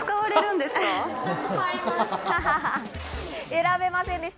選べませんでした。